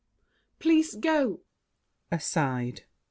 Please go! [Aside.